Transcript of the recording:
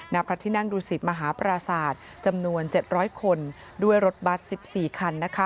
ณพระที่นั่งดูสิตมหาปราศาสตร์จำนวน๗๐๐คนด้วยรถบัตร๑๔คัน